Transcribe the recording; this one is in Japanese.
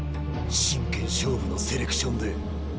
真剣勝負のセレクションで。